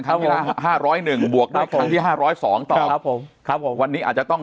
ซึ่งในฐานะภักร์อันดับหนึ่ง